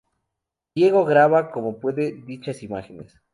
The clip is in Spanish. Diego graba como puede dichas imágenes.